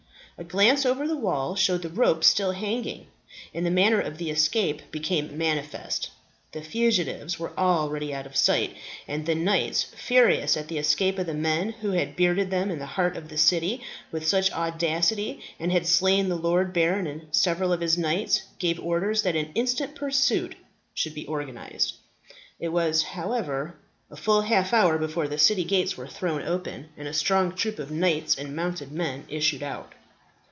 A glance over the wall showed the rope still hanging, and the manner of the escape became manifest. The fugitives were already out of sight, and the knights, furious at the escape of the men who had bearded them in the heart of the city with such audacity, and had slain the lord baron and several of his knights, gave orders that an instant pursuit should be organized. It was, however, a full half hour before the city gates were thrown open, and a strong troop of knights and mounted men issued out.